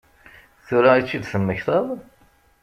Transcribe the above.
Tura i tt-id-temmektaḍ?